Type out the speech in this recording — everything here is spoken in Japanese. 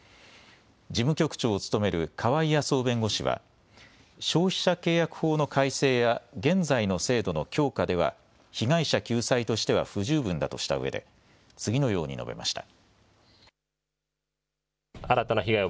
事務局長を務める川井康雄弁護士は消費者契約法の改正や現在の制度の強化では被害者救済としては不十分だとしたうえで次のように述べました。